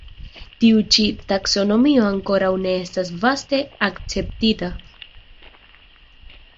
Tiu ĉi taksonomio ankoraŭ ne estas vaste akceptita.